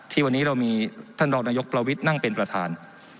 วันนี้เรามีท่านรองนายกประวิทย์นั่งเป็นประธาน